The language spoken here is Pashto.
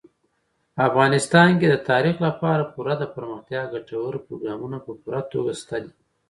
افغانستان کې د تاریخ لپاره پوره دپرمختیا ګټور پروګرامونه په پوره توګه شته دي.